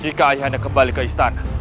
jika ayahnya kembali ke istana